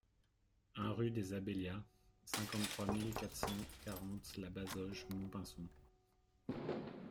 un rue des Abélias, cinquante-trois mille quatre cent quarante La Bazoge-Montpinçon